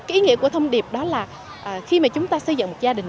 ý nghĩa của thông điệp đó là khi chúng ta xây dựng một gia đình